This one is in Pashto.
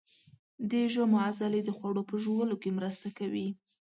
د ژامو عضلې د خوړو په ژوولو کې مرسته کوي.